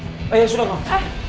eh ya sudah kamu